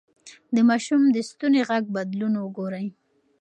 د ماشوم د ستوني غږ بدلون وګورئ.